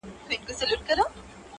لکه راغلی چي له خیبر یې.!